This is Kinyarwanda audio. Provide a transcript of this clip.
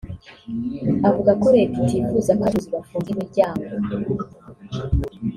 avuga ko Leta itifuza ko abacuruzi bafunga imiryango